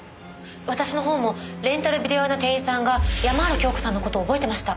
私のほうもレンタルビデオ屋の店員さんが山原京子さんの事を覚えてました。